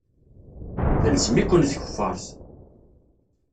Telzem-iken tkeffart.